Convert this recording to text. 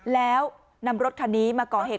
แล้วนำรถคันนี้มาก่อเหตุ